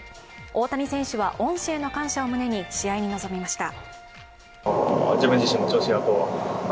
大谷選手は恩師への感謝を胸に試合に臨みました。